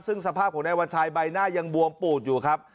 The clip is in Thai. ซึ่งสภาพของนายวัญชัยใบหน้ายังบวมปูดอยู่ครับ